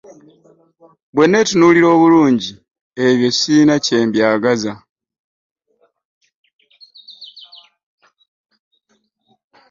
bwe nneetunuulira obulungi ebyo sirina kye mbyagaza.